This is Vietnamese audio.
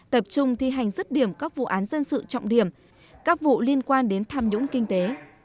tập trung thi hành dứt điểm các vụ án dân sự trọng điểm các vụ liên quan đến tham nhũng kinh tế